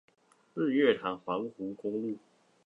日月潭環湖公路